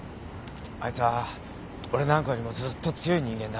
あいつは俺なんかよりもずっと強い人間だ。